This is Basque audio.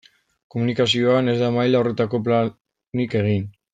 Komunikazioan ez da maila horretako planik egin.